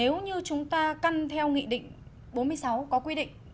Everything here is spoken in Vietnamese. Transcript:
nếu như chúng ta căn theo nghị định bốn mươi sáu có quy định